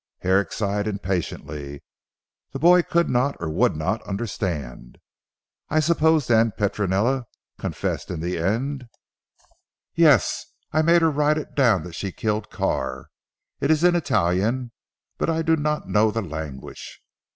Herrick sighed impatiently. The boy could not, or would not, understand, "I suppose then Petronella confessed in the end." "Yes. I made her write it down that she killed Carr. It is in Italian but I do not know the language.